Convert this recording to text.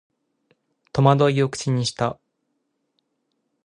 戸惑いを口にした